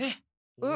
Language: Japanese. うん？